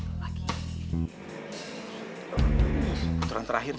kasih tepuk tangan